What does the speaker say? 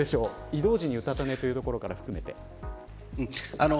移動中にうたた寝というところから含めて。